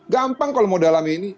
gampang kalau mau dalami ini